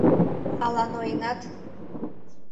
— Ала ноенат?